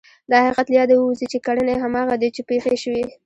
دا حقیقت له یاده ووځي چې کړنې هماغه دي چې پېښې شوې.